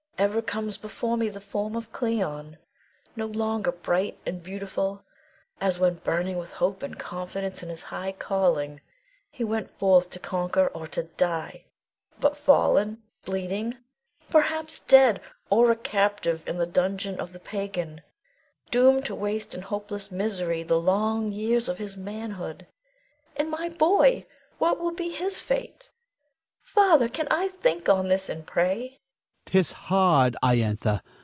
Ever comes before me the form of Cleon, no longer bright and beautiful as when, burning with hope and confidence in his high calling, he went forth to conquer or to die; but fallen, bleeding, perhaps dead, or a captive in the dungeon of the pagan, doomed to waste in hopeless misery the long years of his manhood. And my boy, what will be his fate? Father, can I think on this and pray?